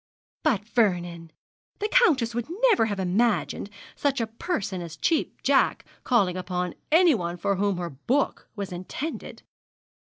'But, Vernon, the countess would never have imagined such a person as a Cheap Jack calling upon anyone for whom her book was intended.'